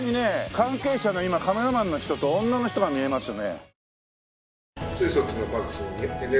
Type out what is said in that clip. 関係者の今カメラマンの人と女の人が見えますね。